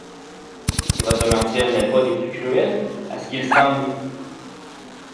Et votre martyre n'est pas des plus cruels, à ce qu'il semble!